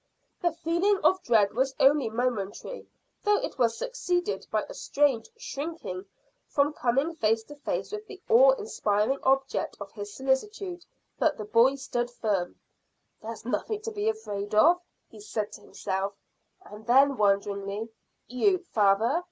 The feeling of dread was only momentary, though it was succeeded by a strange shrinking from coming face to face with the awe inspiring object of his solicitude. But the boy stood firm. "There's nothing to be afraid of," he said to himself, and then wonderingly "You, father!"